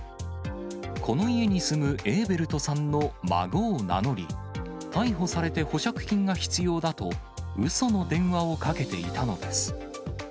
この家に住むエーベルトさんの孫を名乗り、逮捕されて保釈金が必要だと、うその電話をかけていたのです。